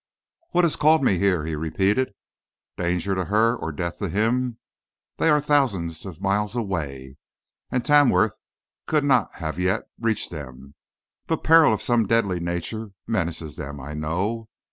"What has called me here?" he repeated. "Danger to her or death to him? They are thousands of miles away, and Tamworth could not have yet reached them, but peril of some deadly nature menaces them, I know.